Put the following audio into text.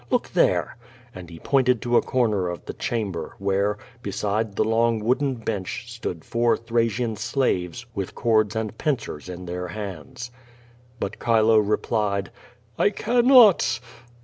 Look there," and he pointed to a corner of tlie chamber, where, beside the long wooden bench, stood four Tliraciaii slaves, with cords and pincers in their hands. But Chilo replied: "I cannot."